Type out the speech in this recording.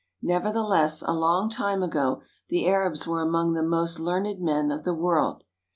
Nevertheless, a long time ago, the Arabs were among the most learned men of the world.